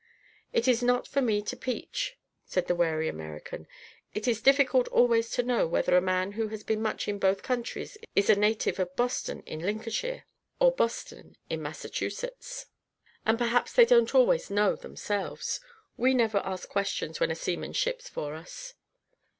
"It is not for me to peach," said the wary American. "It is difficult always to know whether a man who has been much in both countries is a native of Boston in Lincolnshire, or Boston in Massachusetts; and perhaps they don't always know themselves. We never ask questions when a seaman ships for us."